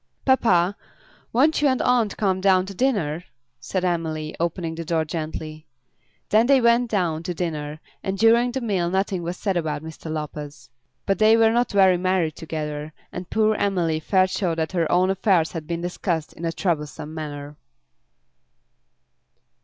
"Papa, won't you and aunt come down to dinner?" said Emily, opening the door gently. Then they went down to dinner, and during the meal nothing was said about Mr. Lopez. But they were not very merry together, and poor Emily felt sure that her own affairs had been discussed in a troublesome manner.